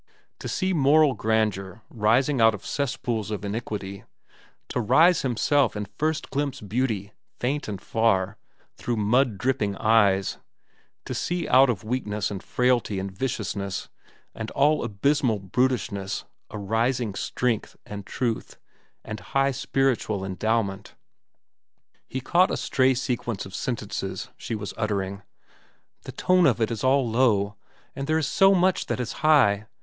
To see moral grandeur rising out of cesspools of iniquity; to rise himself and first glimpse beauty, faint and far, through mud dripping eyes; to see out of weakness, and frailty, and viciousness, and all abysmal brutishness, arising strength, and truth, and high spiritual endowment— He caught a stray sequence of sentences she was uttering. "The tone of it all is low. And there is so much that is high.